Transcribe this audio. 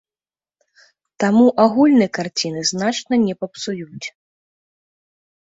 Таму агульнай карціны значна не папсуюць.